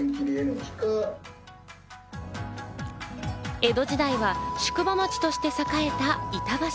江戸時代は宿場町として栄えた板橋。